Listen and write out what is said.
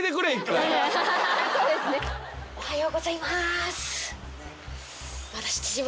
おはようございます。